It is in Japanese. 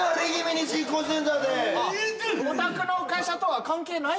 お宅の会社とは関係ないんですか？